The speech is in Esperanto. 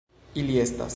Ili estas.